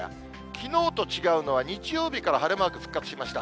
きのうと違うのは、日曜日から晴れマーク、復活しました。